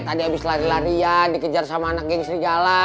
tadi habis lari larian dikejar sama anak geng serigala